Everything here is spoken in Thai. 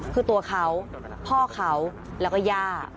คือตัวเขาพ่อเขาแล้วก็ย่า